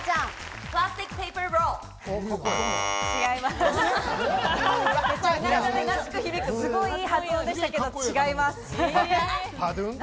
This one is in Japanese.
すごく良い発音でしたけど違います。